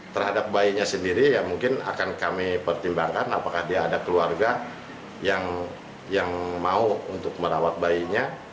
terhadap bayinya sendiri ya mungkin akan kami pertimbangkan apakah dia ada keluarga yang mau untuk merawat bayinya